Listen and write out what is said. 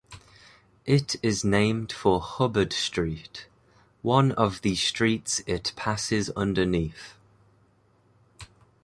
It is named for Hubbard Street, one of the streets it passes underneath.